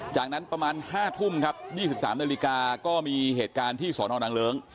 จากนั้นประมาณ๕ทุ่มครับ๒๓นาฬิกาก็มีเหตุการณ์ที่สอนอนนางเลิ้ง